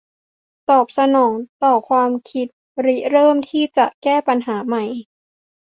ตอบสนองต่อความคิดริเริ่มที่จะแก้ปัญหาใหม่